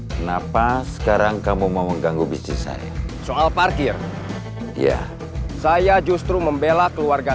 kenapa sekarang kamu mau mengganggu bisnis saya soal parkir ya saya justru membela keluarga